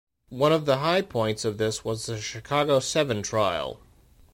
One of the high points of this was the Chicago Seven trial.